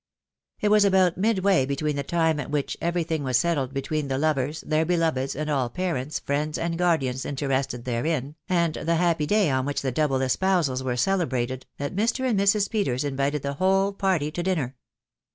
••* It was about midway between the time at which every thing was settled between the lovers, their beloveds, and all parents, friends, and guardians interested therein, and the happy day on which the double espousals were celebrated, that Mr. and Mrs. Peters invited the whole party to dinner.